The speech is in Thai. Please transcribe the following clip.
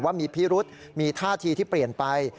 ว่ามีพิรุษมีท่าทีที่เปลี่ยนไป